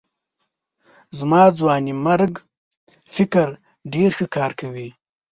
زما ځوانمېرګ فکر ډېر ښه کار کوي.